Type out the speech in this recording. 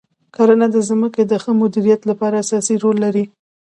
کرنه د ځمکې د ښه مدیریت لپاره اساسي رول لري.